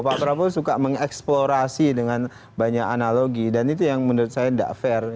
pak prabowo suka mengeksplorasi dengan banyak analogi dan itu yang menurut saya tidak fair